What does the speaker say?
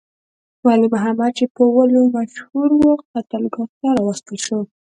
ولی محمد چې په ولو مشهور وو، قتلګاه ته راوستل شو.